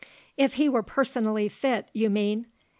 "If he were personally fit, you mean.